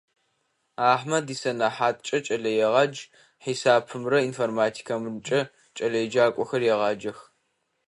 Ахьмэд исэнэхьаткӀэ кӀэлэегъадж, хьисапымрэ информатикэмрэкӀэ кӀэлэеджакӀохэр регъаджэх.